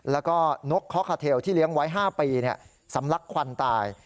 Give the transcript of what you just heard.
แล้วก็นกคอคาเทลที่เลี้ยงไว้๕ปีสำลักควันตาย